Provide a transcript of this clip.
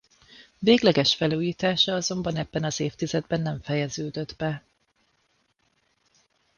Végleges felújítása azonban ebben az évtizedben nem fejeződött be.